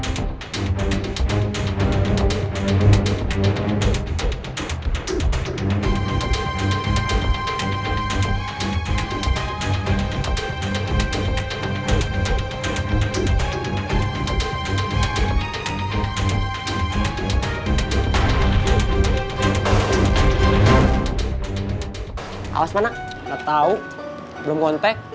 masih sibuk urusan percintaan